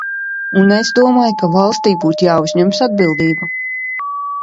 Un es domāju, ka valstij būtu jāuzņemas atbildība.